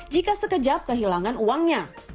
jika sekejap kehilangan uangnya